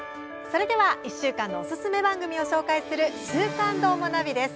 それでは１週間のおすすめ番組を紹介する「週刊どーもナビ」です。